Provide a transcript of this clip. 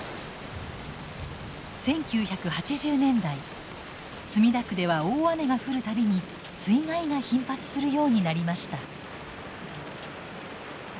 １９８０年代墨田区では大雨が降る度に水害が頻発するようになりました。